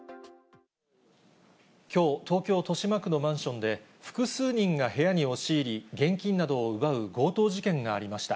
きょう、東京・豊島区のマンションで複数人が部屋に押し入り、現金などを奪う強盗事件がありました。